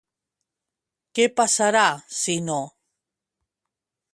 Què passarà, si no?